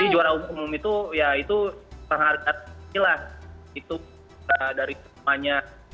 jadi juara umum itu ya itu penghargaan saya lah itu dari semuanya